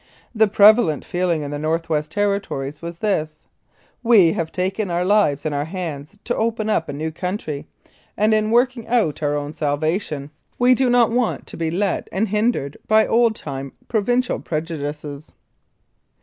The prevalent feeling in the North West Territories was this : We have taken our lives in our hands to open up a new country, and in working out our own salvation we T <95 Mounted Police Life in Canada do not want to be let and hindered by old time pro vincial prejudices.